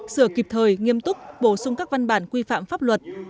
sửa kịp thời nghiêm túc bổ sung các văn bản quy phạm pháp luật